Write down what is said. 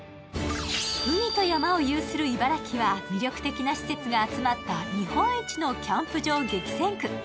海と山を有する茨城は魅力的な施設が集まった日本一のキャンプ場激戦区。